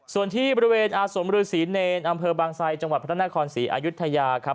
ส่วนที่บริเวณอาสมฤษีเนรอำเภอบางไซดจังหวัดพระนครศรีอายุทยาครับ